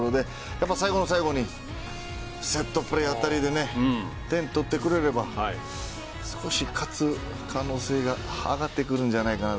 やっぱり最後の最後にセットプレーあたりで点を取ってくれれば少し勝つ可能性が上がってくるんじゃないかな。